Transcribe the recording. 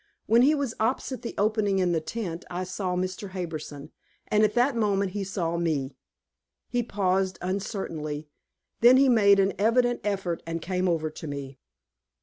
When he was opposite the opening in the tent, I saw Mr. Harbison, and at that moment he saw me. He paused uncertainly, then he made an evident effort and came over to me.